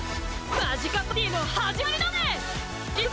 マジカパーティの始まりだぜ！